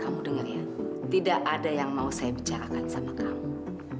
kamu dengar ya tidak ada yang mau saya bicarakan sama kamu